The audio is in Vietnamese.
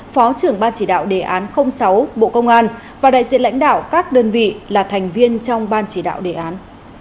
phó trưởng ban chỉ đạo đề án sáu bộ công an và đại diện lãnh đạo các đơn vị là thành viên trong ban chỉ đạo đề án